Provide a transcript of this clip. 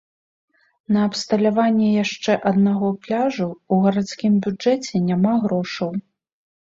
На абсталяванне яшчэ аднаго пляжу ў гарадскім бюджэце няма грошаў.